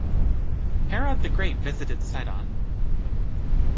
Herod the Great visited Sidon.